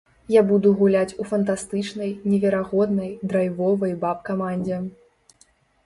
Я буду гуляць у фантастычнай, неверагоднай, драйвовай баб-камандзе.